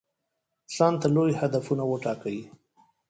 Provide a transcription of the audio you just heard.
ځانته لوی هدفونه وټاکئ.